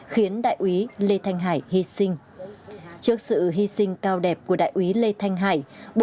khiến đại úy lê thanh hải hy sinh trước sự hy sinh cao đẹp của đại úy lê thanh hải